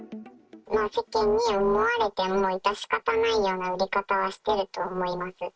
世間に思われても致し方ないような売り方はしてると思います。